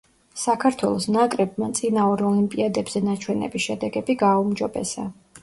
საქართველოს ნაკრებმა წინა ორ ოლიმპიადებზე ნაჩვენები შედეგები გააუმჯობესა.